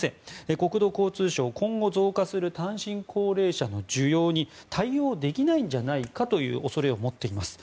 国土交通省は今後、増加する単身高齢者の需要に対応できないんじゃないかという恐れを持っています。